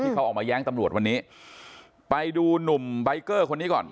เขาออกมาแย้งตำรวจวันนี้ไปดูหนุ่มใบเกอร์คนนี้ก่อน